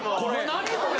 何これ？